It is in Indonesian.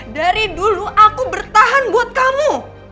dari dulu aku bertahan buat kamu